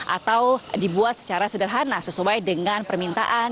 atau dibuat secara sederhana sesuai dengan permintaan